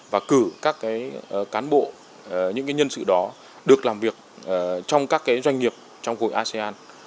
và cử các cán bộ những nhân sự đó được làm việc trong các doanh nghiệp trong khối asean